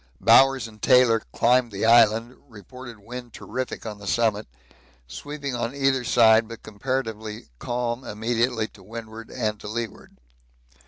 Bowers and Taylor climbed the island; reported wind terrific on the summit sweeping on either side but comparatively calm immediately to windward and to leeward.